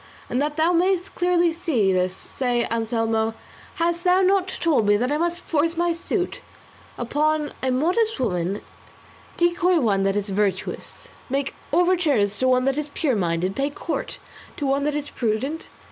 And that thou mayest clearly see this, say, Anselmo, hast thou not told me that I must force my suit upon a modest woman, decoy one that is virtuous, make overtures to one that is pure minded, pay court to one that is prudent?